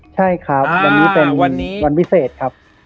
ใช่ครับวันนี้เป็นวันพิเศษครับ